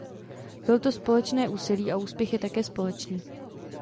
Bylo to společné úsilí a úspěch je také společný.